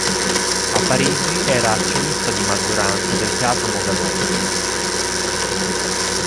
A Parigi, era azionista di maggioranza del Teatro Mogador.